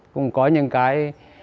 cũng có những cái